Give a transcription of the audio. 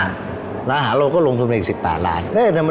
ร้านอาหารเราก็ลงถึงประมาณ๑๘ล้าน